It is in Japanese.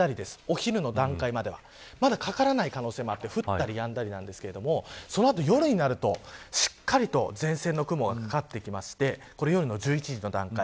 お昼の段階まではまたかからない可能性もあって降ったりやんだりなんですがそのあと夜になるとしっかりと前線の雲がかかってきまして夜の１１時の段階